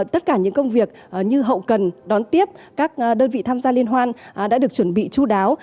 tất cả những công việc như hậu cần đón tiếp các đơn vị tham gia liên hoan đã được chuẩn bị chú đáo